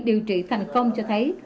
điều trị thành công cho thấy